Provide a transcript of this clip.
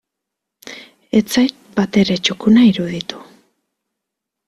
Ez zait batere txukuna iruditu.